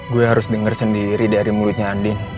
gue harus denger sendiri dari mulutnya andin